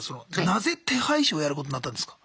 なぜ手配師をやることなったんですか？